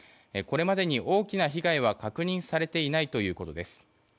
これまでに大きな被害は確認されていないということです。